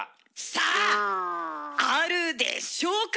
さああるでしょうか